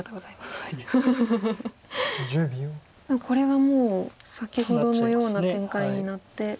これはもう先ほどのような展開になって。